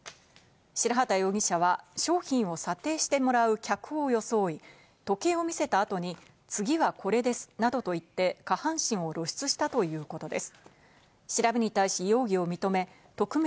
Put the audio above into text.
白籏容疑者は商品を査定してもらう客を装い、時計を見せた後に、次はこれですなどと言って下半身を露出したということです。